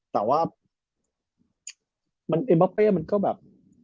แต่ว่าเอมบาเป้มันก็แบบ